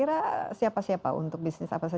itu semua pengalaman golden gain ya